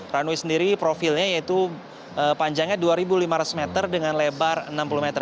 runway sendiri profilnya yaitu panjangnya dua lima ratus meter dengan lebar enam puluh meter